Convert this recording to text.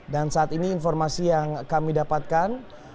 dan saat ini informasi yang kami dapatkan